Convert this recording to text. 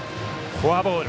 フォアボール。